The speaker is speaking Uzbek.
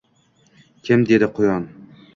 Kim dedi “Quyun” –